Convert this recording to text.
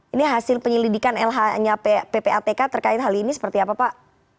ini hasil penyelidikan lh nya ppatk terkait hal ini seperti apa pak